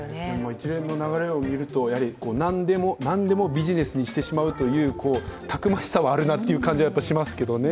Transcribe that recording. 一連の流れを見ると、何でもビジネスにしてしまうというたくましさはあるなという感じはしますけどね。